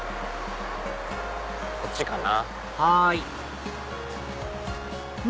こっちかな。